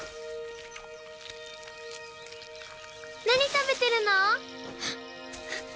何食べてるの？